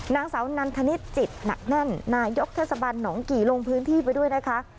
นางสาวนันทนิษฐจิตหนักแน่นนายกเทศบันหนองกี่ลงพื้นที่ไปด้วยนะคะ